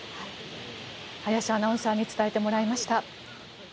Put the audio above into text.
林アナウンサーに伝えてもらいました。